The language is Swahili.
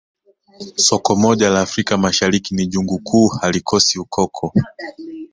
Soko moja la Afrika Mashariki ni jungu kuu halikosi ukoko